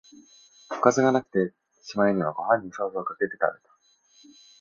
おかずがなくて、しまいにはご飯にソースかけて食べた